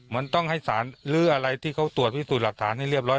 มันต้องให้สารลื้ออะไรที่เขาตรวจพิสูจน์หลักฐานให้เรียบร้อย